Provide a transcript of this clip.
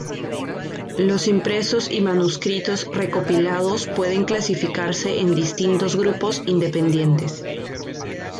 Los impresos y manuscritos recopilados pueden clasificarse en distintos grupos independientes.